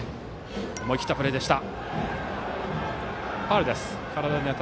思い切ったプレーでした。